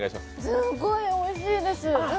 すごいおいしいです。